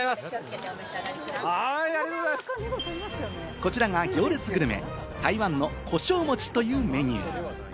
こちらが行列グルメ、台湾の胡椒餅というメニュー。